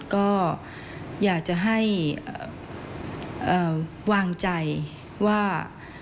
ก็อยากจะให้วางใจว่า